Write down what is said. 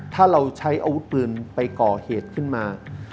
ถ้าเราใช้อาวุธปืนไปก่อเหตุขึ้นมา